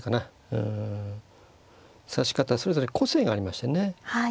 うん指し方それぞれ個性がありましてね